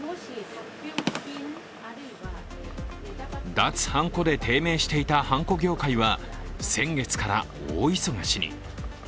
脱はんこで低迷していたはんこ業界は先月から大忙しに。